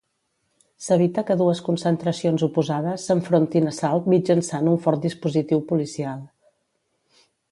S'evita que dues concentracions oposades s'enfrontin a Salt mitjançant un fort dispositiu policial.